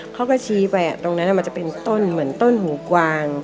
เขาก็ชี้ไปตรงนั้นมันจะเป็นต้นเหมือนต้นหูกวาง